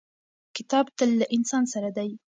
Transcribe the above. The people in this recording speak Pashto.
کتاب تل له انسان سره دی.